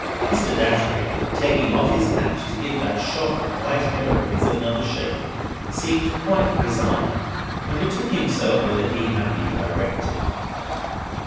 Mr. Datchery, taking off his hat to give that shock of white hair of his another shake, seemed quite resigned, and betook himself whither he had been directed.